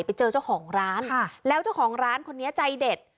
ไปเจอเจ้าของร้านแล้วเจ้าของร้านคนนี้ใจเด็ด